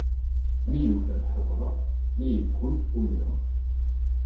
Mi tuner ḥedreɣ, mi yeggul umneɣ.